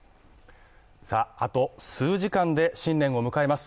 あと数時間で新年を迎えます。